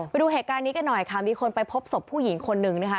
ไปดูเหตุการณ์นี้กันหน่อยค่ะมีคนไปพบศพผู้หญิงคนหนึ่งนะคะ